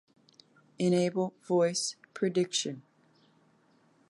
Enable voice prediction.